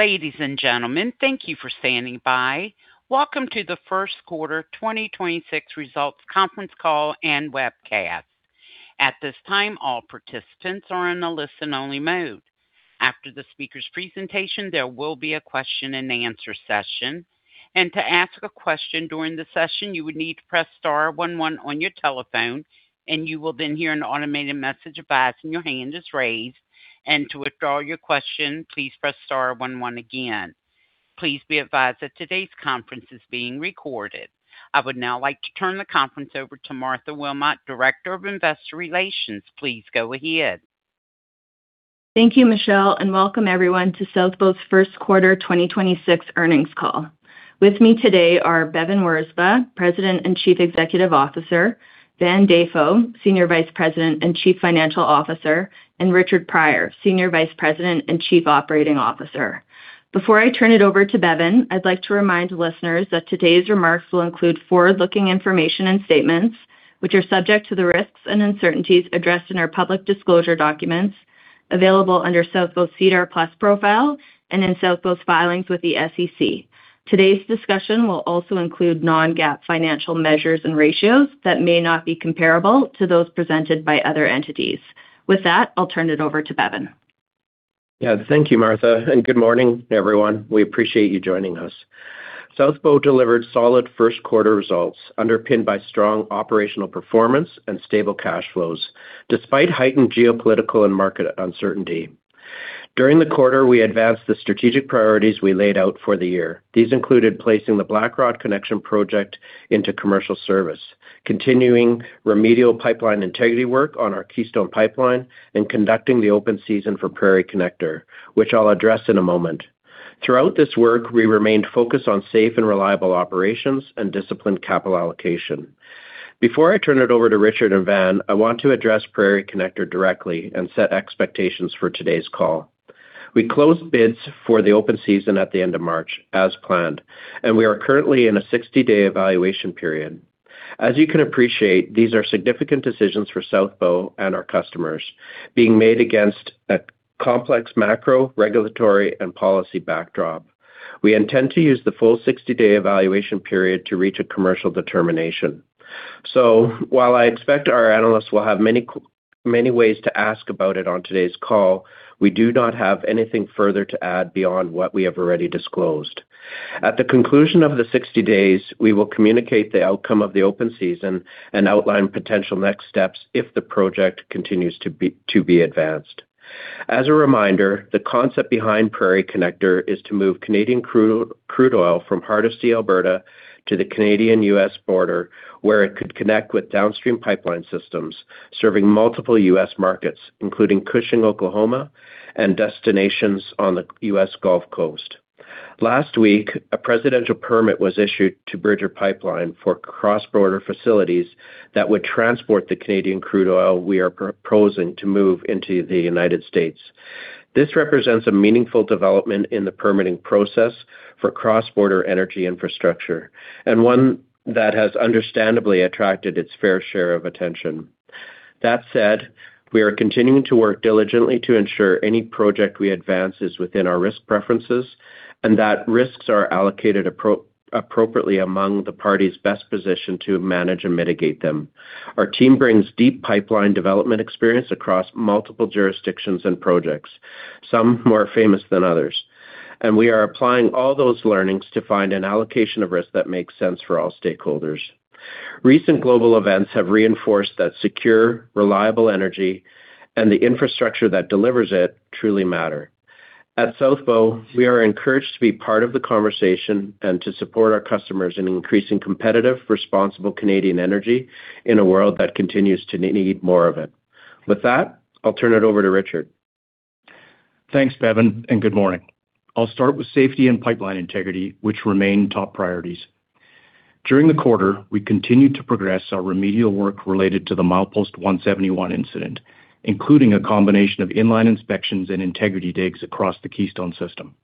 Ladies and gentlemen, thank you for standing by. Welcome to the first quarter 2026 results conference call and webcast. At this time, all participants are in a listen-only mode. After the speaker's presentation, there will be a question and answer session. To ask a question during the session, you would need to press star one one on your telephone, you will then hear an automated message advising your hand is raised. To withdraw your question, please press star one one again. Please be advised that today's conference is being recorded. I would now like to turn the conference over to Martha Wilmot, Director of Investor Relations. Please go ahead. Thank you, Michelle, and welcome everyone to South Bow's first quarter 2026 earnings call. With me today are Bevin Wirzba, President and Chief Executive Officer, Van Dafoe, Senior Vice President and Chief Financial Officer, and Richard Prior, Senior Vice President and Chief Operating Officer. Before I turn it over to Bevin, I'd like to remind listeners that today's remarks will include forward-looking information and statements, which are subject to the risks and uncertainties addressed in our public disclosure documents available under South Bow's SEDAR+ profile and in South Bow's filings with the SEC. Today's discussion will also include non-GAAP financial measures and ratios that may not be comparable to those presented by other entities. With that, I'll turn it over to Bevin. Yeah. Thank you, Martha, and good morning, everyone. We appreciate you joining us. South Bow delivered solid first quarter results underpinned by strong operational performance and stable cash flows despite heightened geopolitical and market uncertainty. During the quarter, we advanced the strategic priorities we laid out for the year. These included placing the Blackrod Connection Project into commercial service, continuing remedial pipeline integrity work on our Keystone Pipeline and conducting the open season for Prairie Connector, which I'll address in a moment. Throughout this work, we remained focused on safe and reliable operations and disciplined capital allocation. Before I turn it over to Richard and Van, I want to address Prairie Connector directly and set expectations for today's call. We closed bids for the open season at the end of March as planned, and we are currently in a 60-day evaluation period. As you can appreciate, these are significant decisions for South Bow and our customers being made against a complex macro, regulatory, and policy backdrop. We intend to use the full 60-day evaluation period to reach a commercial determination. While I expect our analysts will have many ways to ask about it on today's call, we do not have anything further to add beyond what we have already disclosed. At the conclusion of the 60 days, we will communicate the outcome of the open season and outline potential next steps if the project continues to be advanced. As a reminder, the concept behind Prairie Connector is to move Canadian crude oil from Hardisty, Alberta to the Canadian-U.S. border, where it could connect with downstream pipeline systems serving multiple U.S. markets, including Cushing, Oklahoma and destinations on the U.S. Gulf Coast. Last week, a presidential permit was issued to Bridger Pipeline for cross-border facilities that would transport the Canadian crude oil we are proposing to move into the U.S. This represents a meaningful development in the permitting process for cross-border energy infrastructure and one that has understandably attracted its fair share of attention. That said, we are continuing to work diligently to ensure any project we advance is within our risk preferences and that risks are allocated appropriately among the parties best positioned to manage and mitigate them. Our team brings deep pipeline development experience across multiple jurisdictions and projects, some more famous than others, and we are applying all those learnings to find an allocation of risk that makes sense for all stakeholders. Recent global events have reinforced that secure, reliable energy and the infrastructure that delivers it truly matter. At South Bow, we are encouraged to be part of the conversation and to support our customers in increasing competitive, responsible Canadian energy in a world that continues to need more of it. With that, I'll turn it over to Richard. Thanks, Bevin. Good morning. I'll start with safety and pipeline integrity, which remain top priorities. During the quarter, we continued to progress our remedial work related to the milepost 171 incident, including a combination of in-line inspections and integrity digs across the Keystone system.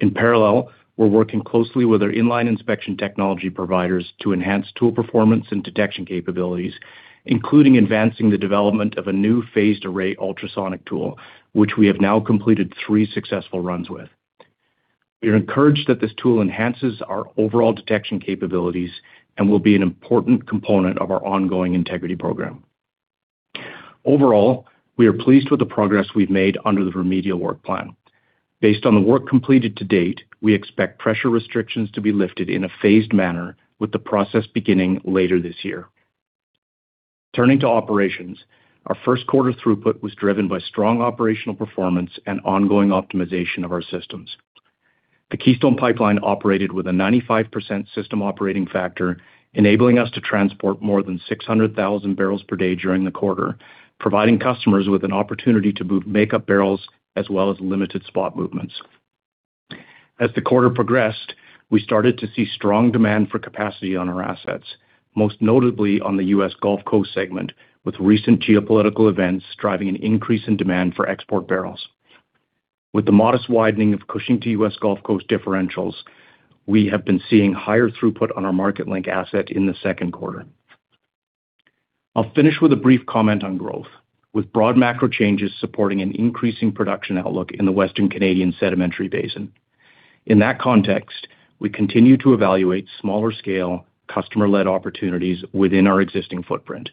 In parallel, we're working closely with our in-line inspection technology providers to enhance tool performance and detection capabilities, including advancing the development of a new phased array ultrasonic tool, which we have now completed three successful runs with. We are encouraged that this tool enhances our overall detection capabilities and will be an important component of our ongoing integrity program. Overall, we are pleased with the progress we've made under the remedial work plan. Based on the work completed to date, we expect pressure restrictions to be lifted in a phased manner with the process beginning later this year. Turning to operations, our first quarter throughput was driven by strong operational performance and ongoing optimization of our systems. The Keystone Pipeline operated with a 95% system operating factor, enabling us to transport more than 600,000 barrels per day during the quarter, providing customers with an opportunity to move make-up barrels as well as limited spot movements. As the quarter progressed, we started to see strong demand for capacity on our assets, most notably on the U.S. Gulf Coast segment, with recent geopolitical events driving an increase in demand for export barrels. With the modest widening of Cushing to U.S. Gulf Coast differentials, we have been seeing higher throughput on our Marketlink asset in the second quarter. I'll finish with a brief comment on growth with broad macro changes supporting an increasing production outlook in the Western Canadian Sedimentary Basin. In that context, we continue to evaluate smaller-scale customer-led opportunities within our existing footprint.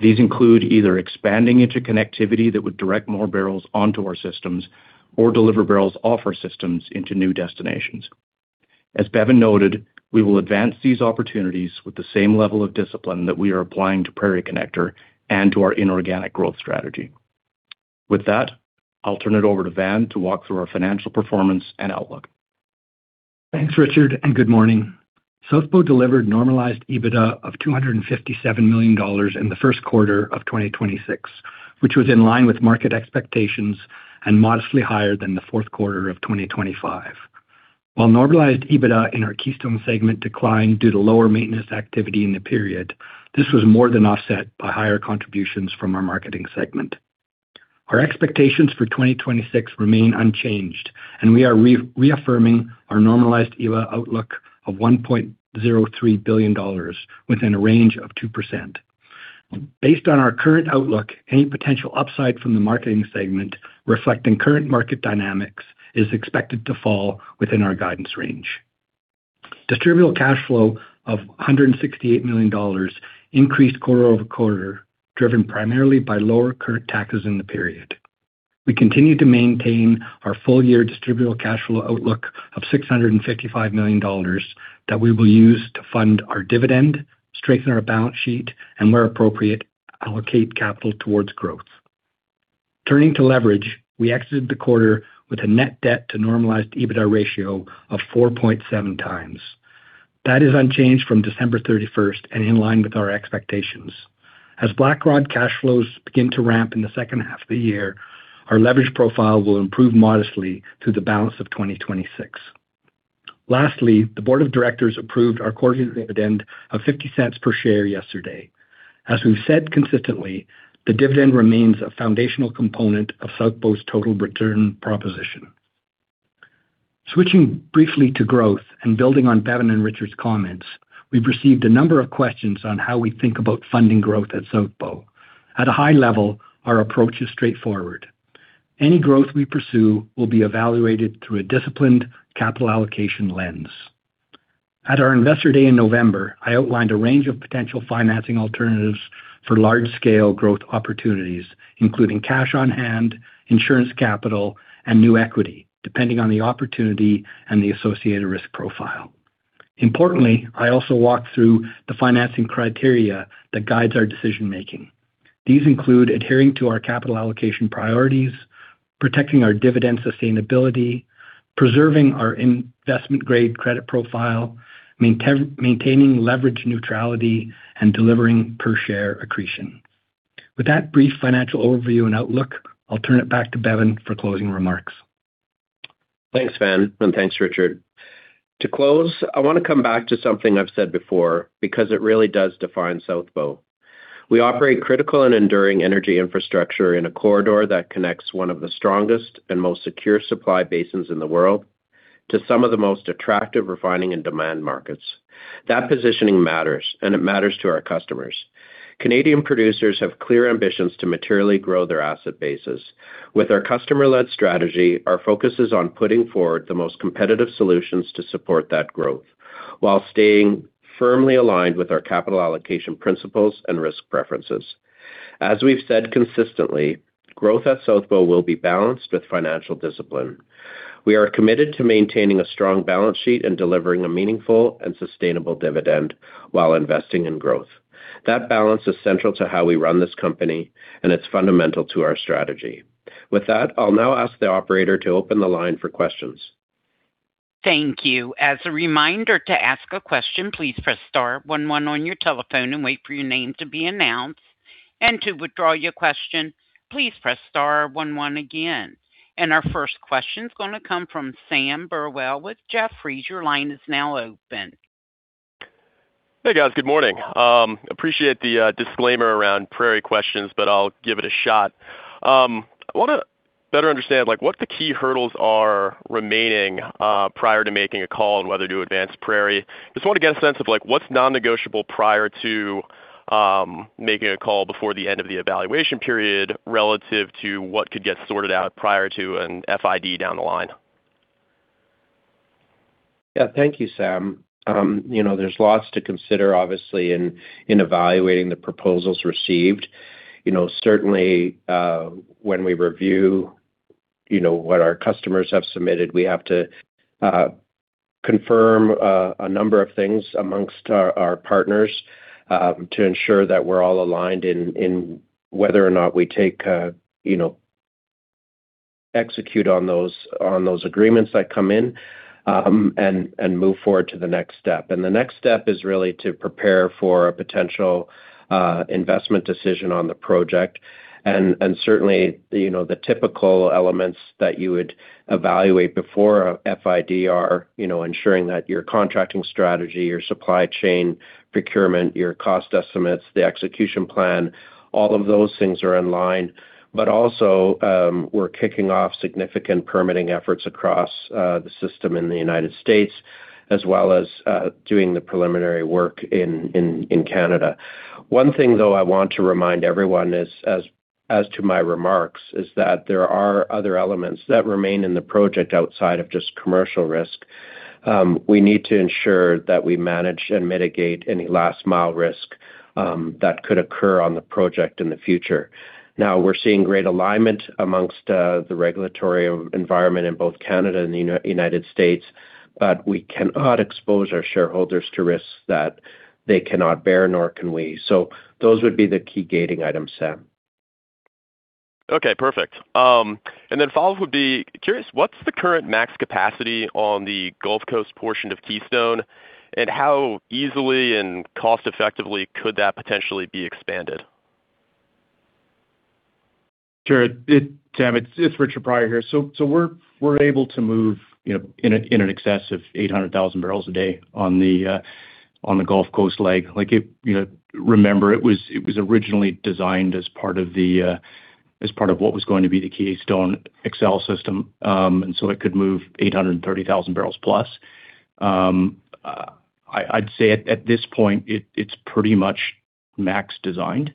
These include either expanding into connectivity that would direct more barrels onto our systems or deliver barrels off our systems into new destinations. As Bevin noted, we will advance these opportunities with the same level of discipline that we are applying to Prairie Connector and to our inorganic growth strategy. With that, I'll turn it over to Van to walk through our financial performance and outlook. Thanks, Richard, and good morning. South Bow delivered normalized EBITDA of $257 million in the first quarter of 2026, which was in line with market expectations and modestly higher than the fourth quarter of 2025. While normalized EBITDA in our Keystone segment declined due to lower maintenance activity in the period, this was more than offset by higher contributions from our marketing segment. Our expectations for 2026 remain unchanged, and we are reaffirming our normalized EBITDA outlook of $1.03 billion within a range of 2%. Based on our current outlook, any potential upside from the marketing segment reflecting current market dynamics is expected to fall within our guidance range. Distributable cash flow of $168 million increased quarter-over-quarter, driven primarily by lower current taxes in the period. We continue to maintain our full-year distributable cash flow outlook of $655 million that we will use to fund our dividend, strengthen our balance sheet and where appropriate, allocate capital towards growth. Turning to leverage, we exited the quarter with a net debt to normalized EBITDA ratio of 4.7 times. That is unchanged from December 31st and in line with our expectations. As Blackrod cash flows begin to ramp in the second half of the year, our leverage profile will improve modestly through the balance of 2026. Lastly, the board of directors approved our quarterly dividend of $0.50 per share yesterday. As we've said consistently, the dividend remains a foundational component of South Bow's total return proposition. Switching briefly to growth and building on Bevin and Richard's comments, we've received a number of questions on how we think about funding growth at South Bow. At a high level, our approach is straightforward. Any growth we pursue will be evaluated through a disciplined capital allocation lens. At our Investor Day in November, I outlined a range of potential financing alternatives for large scale growth opportunities, including cash on hand, insurance capital and new equity, depending on the opportunity and the associated risk profile. Importantly, I also walked through the financing criteria that guides our decision-making. These include adhering to our capital allocation priorities, protecting our dividend sustainability, preserving our investment-grade credit profile, maintaining leverage neutrality, and delivering per share accretion. With that brief financial overview and outlook, I'll turn it back to Bevin for closing remarks. Thanks, Van, and thanks, Richard. To close, I want to come back to something I've said before because it really does define South Bow. We operate critical and enduring energy infrastructure in a corridor that connects one of the strongest and most secure supply basins in the world to some of the most attractive refining and demand markets. That positioning matters, and it matters to our customers. Canadian producers have clear ambitions to materially grow their asset bases. With our customer-led strategy, our focus is on putting forward the most competitive solutions to support that growth while staying firmly aligned with our capital allocation principles and risk preferences. As we've said consistently, growth at South Bow will be balanced with financial discipline. We are committed to maintaining a strong balance sheet and delivering a meaningful and sustainable dividend while investing in growth. That balance is central to how we run this company, and it's fundamental to our strategy. With that, I'll now ask the operator to open the line for questions. Thank you. As a reminder to ask a question, please press star one one on your telephone and wait for your name to be announced. To withdraw your question, please press star one one again. Our first question is going to come from Sam Burwell with Jefferies. Your line is now open. Hey, guys. Good morning. Appreciate the disclaimer around Prairie questions, but I'll give it a shot. I wanna better understand, like, what the key hurdles are remaining prior to making a call on whether to advance Prairie. Just wanna get a sense of, like, what's non-negotiable prior to making a call before the end of the evaluation period relative to what could get sorted out prior to an FID down the line. Yeah. Thank you, Sam. You know, there's lots to consider obviously in evaluating the proposals received. You know, certainly, when we review, you know, what our customers have submitted, we have to confirm a number of things amongst our partners to ensure that we're all aligned in whether or not we take, you know, execute on those agreements that come in and move forward to the next step. The next step is really to prepare for a potential investment decision on the project. Certainly, you know, the typical elements that you would evaluate before a FID are, you know, ensuring that your contracting strategy, your supply chain procurement, your cost estimates, the execution plan, all of those things are in line. Also, we're kicking off significant permitting efforts across the system in the U.S. as well as doing the preliminary work in Canada. One thing, though, I want to remind everyone is As to my remarks is that there are other elements that remain in the project outside of just commercial risk. We need to ensure that we manage and mitigate any last mile risk that could occur on the project in the future. Now, we're seeing great alignment amongst the regulatory environment in both Canada and the U.S., but we cannot expose our shareholders to risks that they cannot bear, nor can we. Those would be the key gating items, Sam. Okay, perfect. Follow-up would be curious, what's the current max capacity on the Gulf Coast portion of Keystone? How easily and cost-effectively could that potentially be expanded? Sure. Sam, it's Richard Prior here. We're able to move, you know, in an excess of 800,000 barrels a day on the Gulf Coast leg. Like it, you know, remember, it was originally designed as part of the Keystone XL system. It could move 830,000 barrels plus. I'd say at this point, it's pretty much max designed.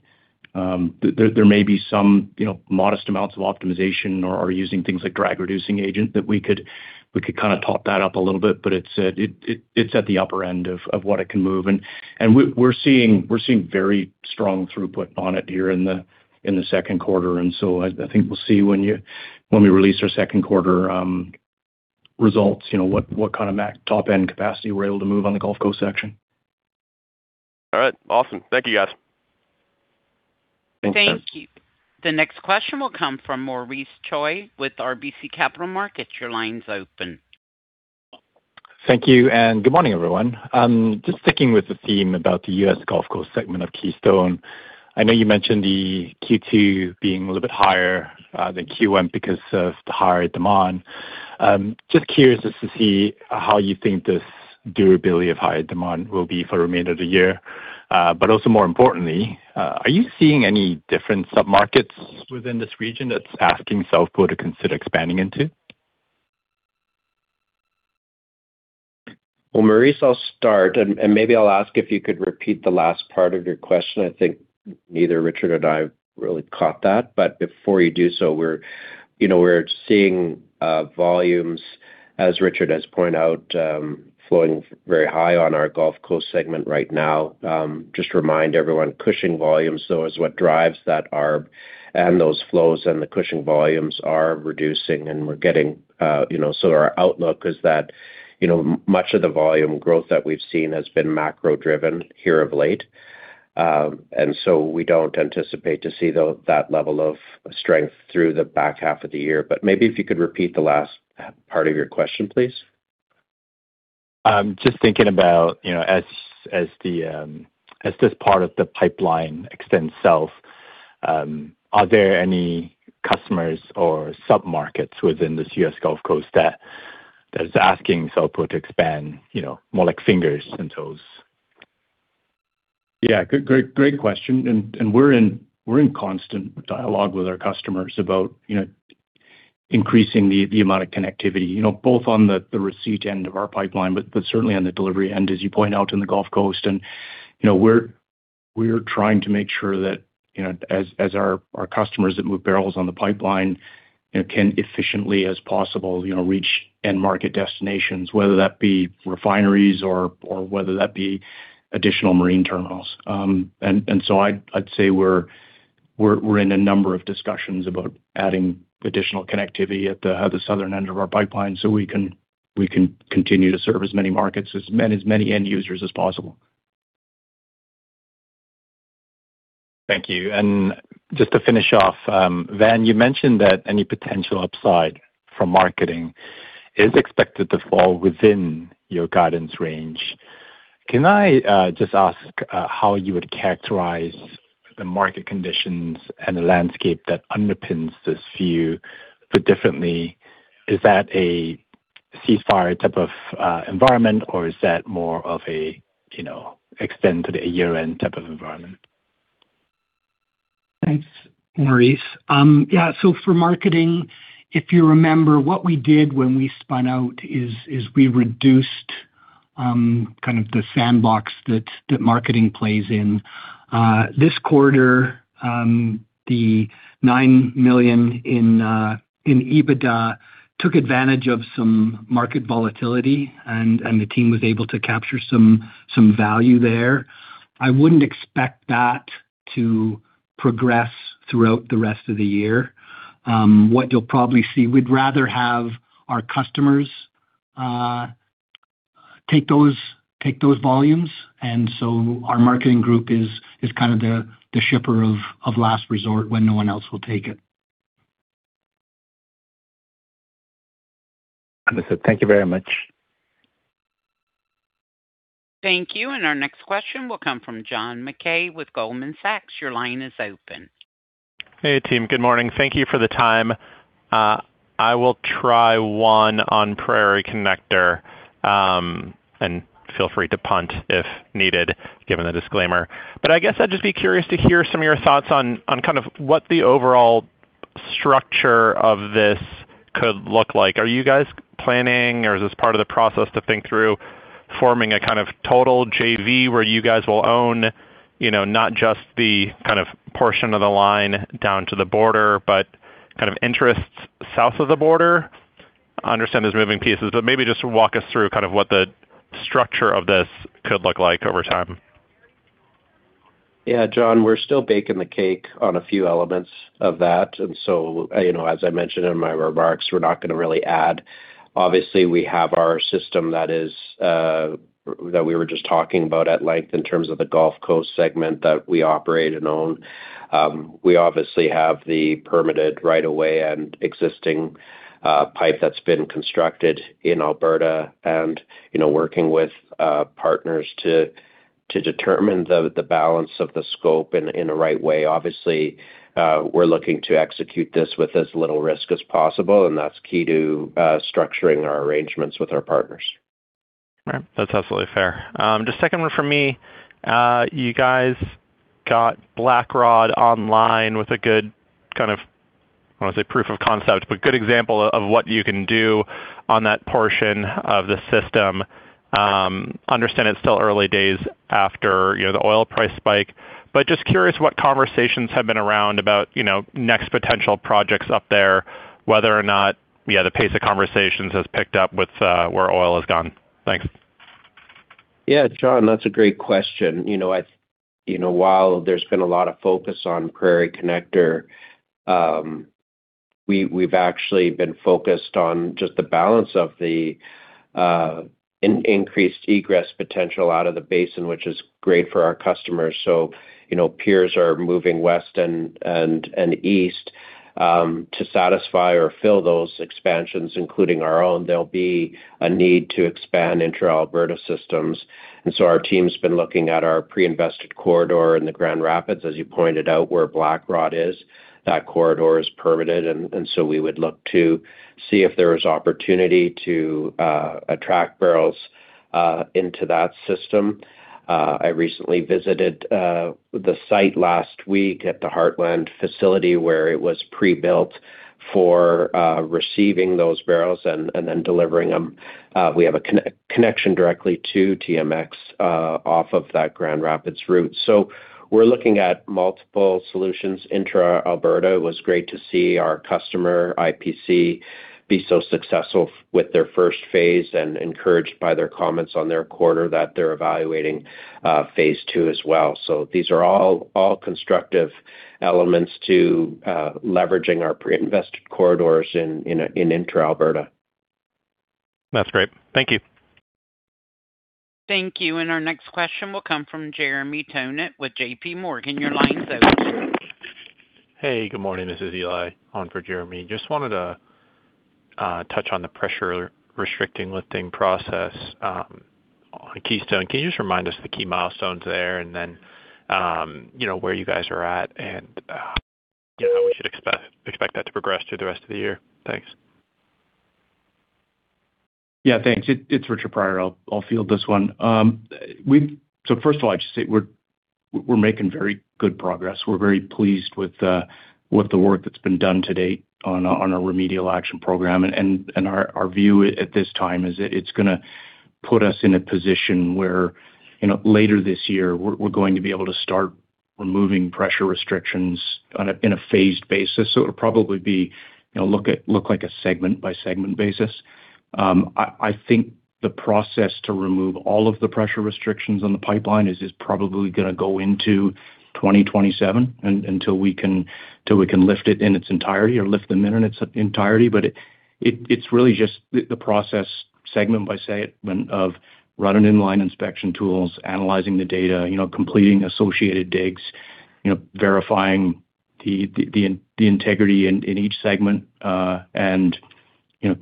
There may be some, you know, modest amounts of optimization or using things like drag reducing agent that we could kinda top that up a little bit, but it's at the upper end of what it can move. We're seeing very strong throughput on it here in the second quarter. I think we'll see when we release our second quarter results, you know, what kind of max top end capacity we're able to move on the Gulf Coast section. All right. Awesome. Thank you, guys. Thanks, Sam. Thank you. The next question will come from Maurice Choy with RBC Capital Markets. Your line's open. Thank you, good morning, everyone. Just sticking with the theme about the U.S. Gulf Coast segment of Keystone. I know you mentioned the Q2 being a little bit higher than Q1 because of the higher demand. Just curious as to see how you think this durability of higher demand will be for the remainder of the year. Also more importantly, are you seeing any different sub-markets within this region that's asking South Bow to consider expanding into? Maurice, I'll start and maybe I'll ask if you could repeat the last part of your question. I think neither Richard nor I really caught that. Before you do so, you know, we're seeing volumes, as Richard has pointed out, flowing very high on our U.S. Gulf Coast segment right now. Just remind everyone, Cushing volumes, though, is what drives that ARB and those flows and the Cushing volumes are reducing and we're getting, you know, our outlook is that, you know, much of the volume growth that we've seen has been macro-driven here of late. We don't anticipate to see that level of strength through the back half of the year. Maybe if you could repeat the last part of your question, please. Just thinking about, you know, as the, as this part of the pipeline extends south, are there any customers or sub-markets within this U.S. Gulf Coast that is asking South Bow to expand, you know, more like fingers and toes? Yeah. Good, great question. We're in constant dialogue with our customers about, you know, increasing the amount of connectivity, you know, both on the receipt end of our pipeline, but certainly on the delivery end, as you point out in the Gulf Coast. You know, we're trying to make sure that, you know, as our customers that move barrels on the pipeline, you know, can efficiently as possible, you know, reach end market destinations, whether that be refineries or whether that be additional marine terminals. I'd say we're in a number of discussions about adding additional connectivity at the southern end of our pipeline so we can continue to serve as many markets, as many end users as possible. Thank you. Just to finish off, Van, you mentioned that any potential upside from marketing is expected to fall within your guidance range. Can I just ask how you would characterize the market conditions and the landscape that underpins this view differently? Is that a CSAR type of environment or is that more of a, you know, extended a year-end type of environment? Thanks, Maurice. Yeah. For marketing, if you remember, what we did when we spun out is we reduced kind of the sandbox that marketing plays in. This quarter, the $9 million in EBITDA took advantage of some market volatility and the team was able to capture some value there. I wouldn't expect that to progress throughout the rest of the year. What you'll probably see, we'd rather have our customers take those volumes and so our marketing group is kind of the shipper of last resort when no one else will take it. Understood. Thank you very much. Thank you. Our next question will come from John Mackay with Goldman Sachs. Your line is open. Hey, team. Good morning. Thank you for the time. I will try one on Prairie Connector, and feel free to punt if needed, given the disclaimer. I guess I'd just be curious to hear some of your thoughts on kind of what the overall structure of this could look like. Are you guys planning or is this part of the process to think through forming a kind of total JV where you guys will own, you know, not just the kind of portion of the line down to the border, but kind of interests south of the border? I understand there's moving pieces, but maybe just walk us through kind of what the structure of this could look like over time. Yeah, John, we're still baking the cake on a few elements of that. You know, as I mentioned in my remarks, we're not gonna really add. Obviously, we have our system that we were just talking about at length in terms of the Gulf Coast segment that we operate and own. We obviously have the permitted right-of-way and existing pipe that's been constructed in Alberta and, you know, working with partners to determine the balance of the scope in the right way. Obviously, we're looking to execute this with as little risk as possible, and that's key to structuring our arrangements with our partners. Right. That's absolutely fair. Just second one from me. You guys got Blackrod online with a good kind of, I wanna say proof of concept, but good example of what you can do on that portion of the system. Understand it's still early days after, you know, the oil price spike. Just curious what conversations have been around about, you know, next potential projects up there, whether or not, yeah, the pace of conversations has picked up with where oil has gone. Thanks. John, that's a great question. You know, while there's been a lot of focus on Prairie Connector, we've actually been focused on just the balance of the increased egress potential out of the basin, which is great for our customers. You know, peers are moving west and east to satisfy or fill those expansions, including our own. There'll be a need to expand intra Alberta systems. Our team's been looking at our pre-invested corridor in the Grand Rapids, as you pointed out, where Blackrod is. That corridor is permitted and so we would look to see if there is opportunity to attract barrels into that system. I recently visited the site last week at the Heartland facility where it was pre-built for receiving those barrels and then delivering them. We have a connection directly to TMX off of that Grand Rapids route. We're looking at multiple solutions. Intra Alberta was great to see our customer, IPC, be so successful with their first phase and encouraged by their comments on their quarter that they're evaluating phase 2 as well. These are all constructive elements to leveraging our pre-invested corridors in intra Alberta. That's great. Thank you. Thank you. Our next question will come from Jeremy Tonet with J.P. Morgan. Your line's open. Hey, good morning. This is Eli on for Jeremy. Just wanted to touch on the pressure restricting lifting process on Keystone. Can you just remind us the key milestones there and then, you know, where you guys are at and, you know, we should expect that to progress through the rest of the year? Thanks. Yeah, thanks. It's Richard Prior. I'll field this one. First of all, I'd just say we're making very good progress. We're very pleased with the work that's been done to date on our remedial action program. Our view at this time is it's going to put us in a position where, you know, later this year we're going to be able to start removing pressure restrictions in a phased basis. It'll probably be, you know, look like a segment by segment basis. I think the process to remove all of the pressure restrictions on the pipeline is probably going to go into 2027 until we can lift it in its entirety or lift them in its entirety. It's really just the process segment by segment of running in-line inspection tools, analyzing the data, you know, completing associated digs, you know, verifying the integrity in each segment, and, you know,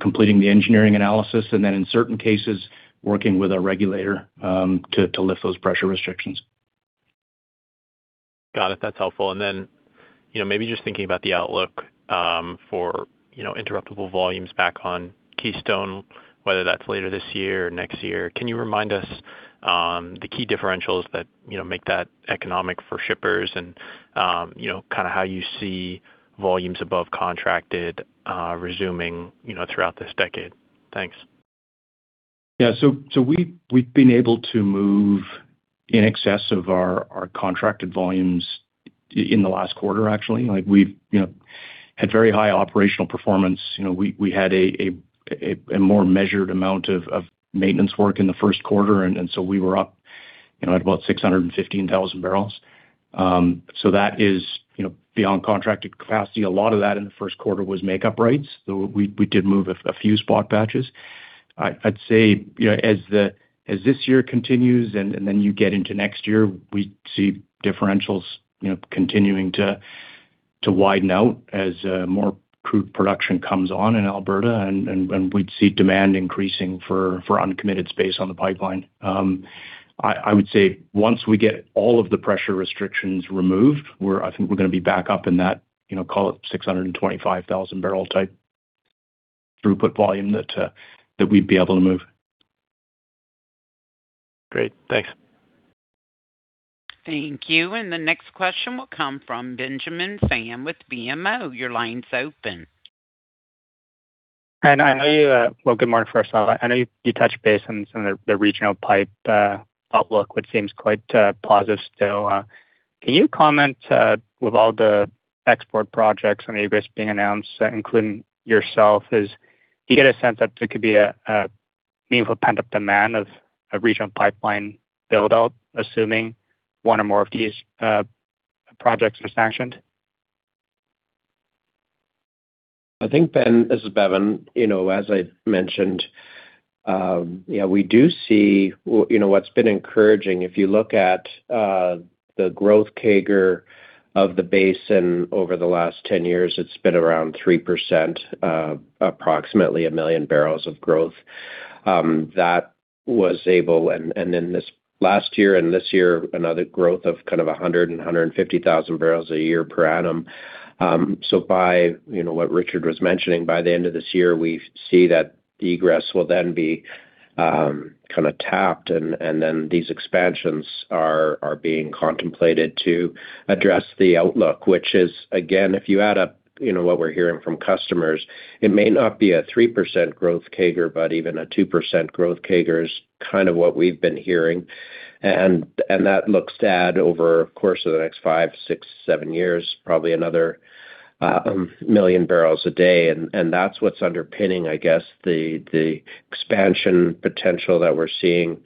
completing the engineering analysis and then in certain cases, working with our regulator, to lift those pressure restrictions. Got it. That's helpful. You know, maybe just thinking about the outlook for, you know, interruptible volumes back on Keystone, whether that's later this year or next year. Can you remind us the key differentials that, you know, make that economic for shippers and, you know, kinda how you see volumes above contracted resuming, you know, throughout this decade? Thanks. So, we've been able to move in excess of our contracted volumes in the last quarter actually. Like we've, you know, had very high operational performance. You know, we had a more measured amount of maintenance work in the 1st quarter, so we were up, you know, at about 615,000 barrels. So that is, you know, beyond contracted capacity. A lot of that in the 1st quarter was makeup rights. So we did move a few spot batches. I'd say, you know, as this year continues you get into next year, we see differentials, you know, continuing to widen out as more crude production comes on in Alberta and we'd see demand increasing for uncommitted space on the pipeline. I would say once we get all of the pressure restrictions removed, I think we're gonna be back up in that, you know, call it 625,000 barrel type throughput volume that we'd be able to move. Great. Thanks. Thank you. The next question will come from Benjamin Pham with BMO. Your line's open. Well, good morning first of all. I know you touched base on some of the regional pipe outlook, which seems quite positive still. Can you comment, with all the export projects on the egress being announced, including yourself, do you get a sense that there could be a meaningful pent-up demand of a regional pipeline build-out, assuming one or more of these projects are sanctioned? I think, Ben, this is Bevin. You know, as I mentioned, yeah, we do see Well, you know, what's been encouraging, if you look at the growth CAGR of the basin over the last 10 years, it's been around 3%, approximately 1 million barrels of growth. Then this last year and this year, another growth of kind of 150,000 barrels a year per annum. By, you know, what Richard was mentioning, by the end of this year, we see that the egress will then be, kind of tapped and then these expansions are being contemplated to address the outlook, which is, again, if you add up, you know, what we're hearing from customers, it may not be a 3% growth CAGR, but even a 2% growth CAGR is kind of what we've been hearing. That looks to add over the course of the next five, six, seven years, probably another million barrels a day. That's what's underpinning, I guess, the expansion potential that we're seeing.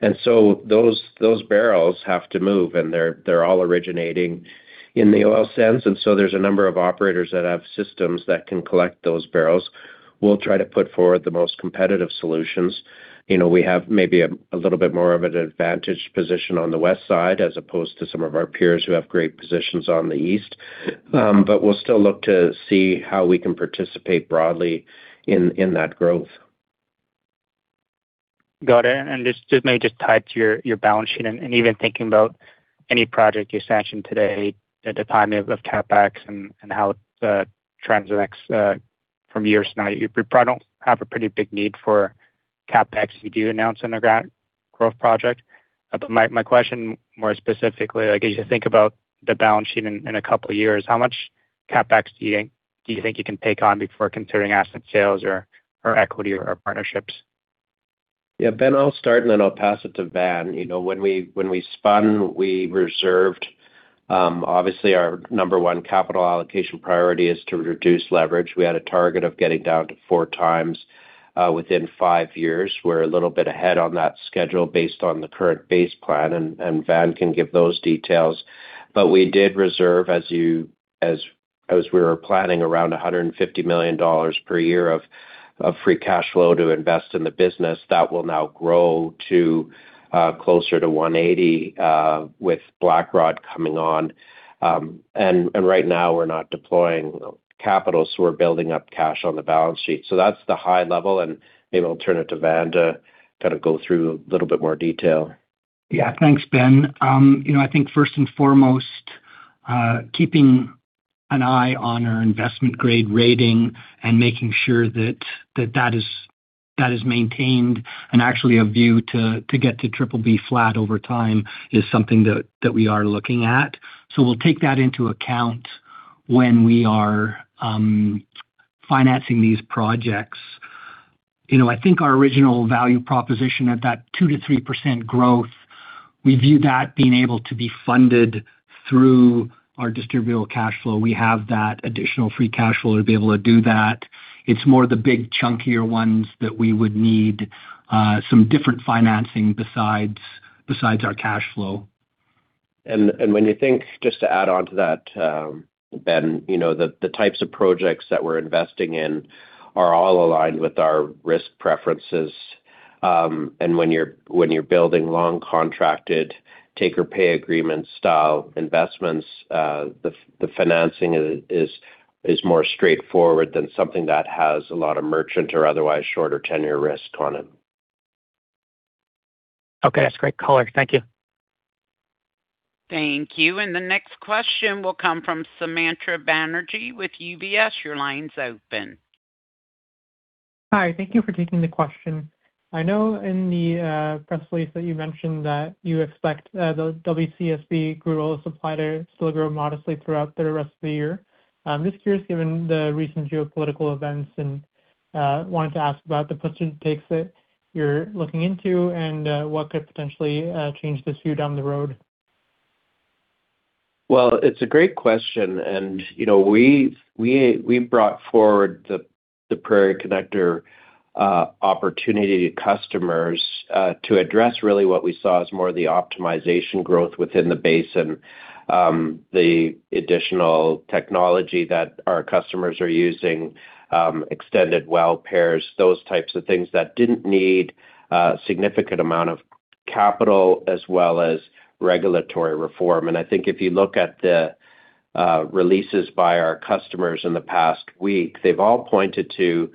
Those barrels have to move, and they're all originating in the oil sands. There's a number of operators that have systems that can collect those barrels. We'll try to put forward the most competitive solutions. You know, we have maybe a little bit more of an advantaged position on the west side as opposed to some of our peers who have great positions on the east. We'll still look to see how we can participate broadly in that growth. Got it. This just may just tie to your balance sheet and even thinking about any project you sanction today, the timing of CapEx and how it transacts from year to now. You probably don't have a pretty big need for CapEx if you do announce an organic growth project. My question more specifically, like, as you think about the balance sheet in a couple of years, how much CapEx do you think you can take on before considering asset sales or equity or partnerships? Yeah, Ben, I'll start and then I'll pass it to Van. You know, when we spun, we reserved, obviously our number one capital allocation priority is to reduce leverage. We had a target of getting down to four times within five years. We're a little bit ahead on that schedule based on the current base plan, and Van can give those details. We did reserve, as we were planning around $150 million per year of free cash flow to invest in the business. That will now grow to closer to $180 with Blackrod coming on. Right now we're not deploying capital, so we're building up cash on the balance sheet. That's the high level, and maybe I'll turn it to Van to kind of go through a little bit more detail. Thanks, Ben. You know, I think first and foremost, keeping an eye on our investment-grade rating and making sure that that is maintained, and actually a view to get to BBB flat over time is something that we are looking at. We'll take that into account when we are financing these projects. You know, I think our original value proposition at that 2%-3% growth, we view that being able to be funded through our distributable cash flow. We have that additional free cash flow to be able to do that. It's more the big chunkier ones that we would need some different financing besides our cash flow. When you think, just to add on to that, Ben, you know, the types of projects that we're investing in are all aligned with our risk preferences. When you're building long contracted take-or-pay agreement style investments, the financing is more straightforward than something that has a lot of merchant or otherwise shorter tenure risk on it. Okay. That's great color. Thank you. Thank you. The next question will come from Sumantra Banerjee with UBS. Your line's open. Hi. Thank you for taking the question. I know in the press release that you mentioned that you expect the WCSB crude oil supply to still grow modestly throughout the rest of the year. I'm just curious, given the recent geopolitical events and wanted to ask about the contingent takes that you're looking into and what could potentially change this view down the road? Well, it's a great question. You know, we brought forward the Prairie Connector opportunity to customers to address really what we saw as more of the optimization growth within the basin. The additional technology that our customers are using, extended well pairs, those types of things that didn't need a significant amount of capital as well as regulatory reform. I think if you look at the releases by our customers in the past week, they've all pointed to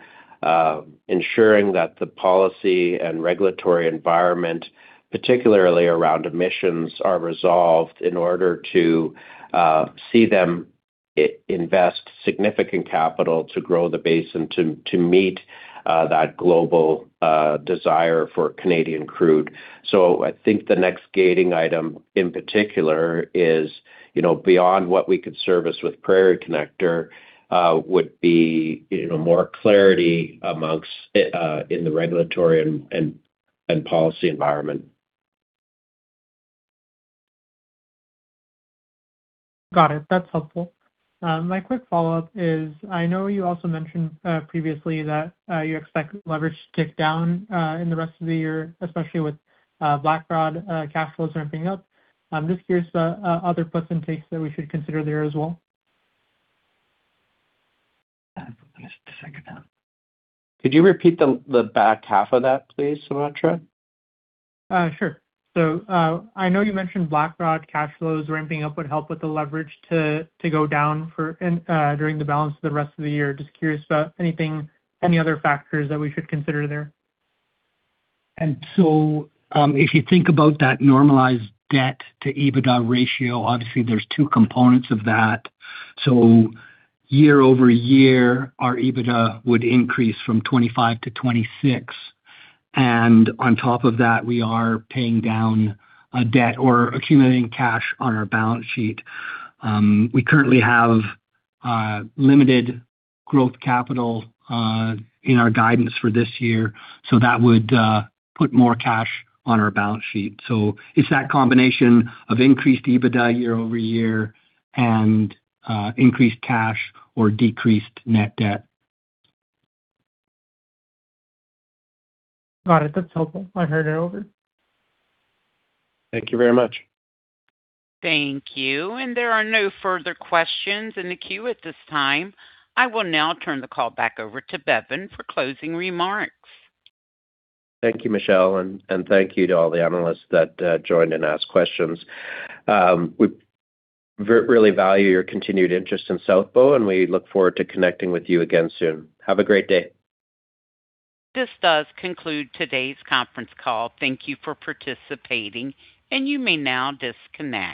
ensuring that the policy and regulatory environment, particularly around emissions, are resolved in order to see them invest significant capital to grow the basin to meet that global desire for Canadian crude. I think the next gating item in particular is, you know, beyond what we could service with Prairie Connector, would be, you know, more clarity amongst in the regulatory and policy environment. Got it. That's helpful. My quick follow-up is I know you also mentioned previously that you expect leverage to tick down in the rest of the year, especially with Blackrod cash flows ramping up. I'm just curious about other puts and takes that we should consider there as well. Could you repeat the back half of that, please, Sumantra? Sure. I know you mentioned Blackrod cash flows ramping up would help with the leverage to go down for, and, during the balance of the rest of the year. Just curious about anything, any other factors that we should consider there. If you think about that normalized debt to EBITDA ratio, obviously there's two components of that. Year-over-year, our EBITDA would increase from $25-26. On top of that, we are paying down debt or accumulating cash on our balance sheet. We currently have limited growth capital in our guidance for this year, so that would put more cash on our balance sheet. It's that combination of increased EBITDA year-over-year and increased cash or decreased net debt. Got it. That's helpful. I heard it over. Thank you very much. Thank you. There are no further questions in the queue at this time. I will now turn the call back over to Bevin for closing remarks. Thank you, Michelle, and thank you to all the analysts that joined and asked questions. We really value your continued interest in South Bow, and we look forward to connecting with you again soon. Have a great day. This does conclude today's conference call. Thank you for participating, and you may now disconnect.